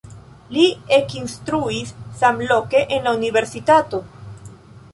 Li ekinstruis samloke en la universitato.